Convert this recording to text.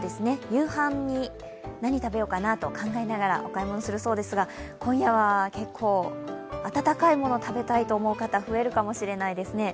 夕飯に何食べようかなと考えながらお買い物するそうですが今夜は結構温かいものを食べたいと思う方、増えるかもしれないですね。